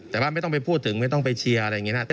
แต่ว่าไม่ต้องไปพูดถึงไม่ต้องไปเชียร์อะไรอย่างนี้นะ